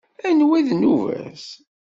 Anwa i d nnuba-s?